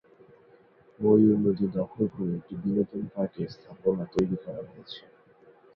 ময়ূর নদী দখল করে একটি বিনোদন পার্কের স্থাপনা তৈরি করা হয়েছে।